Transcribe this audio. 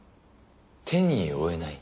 手に負えない？